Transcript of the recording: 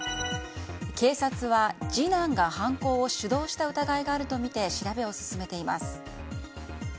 警察は、次男が犯行を主導した疑いがあるとみて調べを進めています。